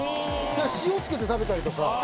塩つけて食べたりとか。